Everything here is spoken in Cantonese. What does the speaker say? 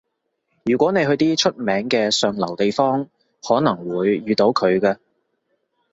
如果你去啲出名嘅上流地方，可能會遇到佢㗎